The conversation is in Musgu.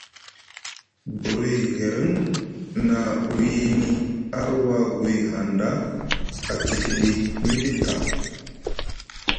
Buri hiriŋ na wini arwagui hanɗa a tikiɗi miɗi ta.